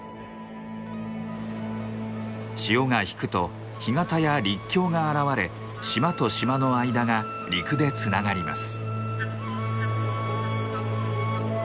潮が引くと干潟や陸橋が現れ島と島の間が陸でつながります。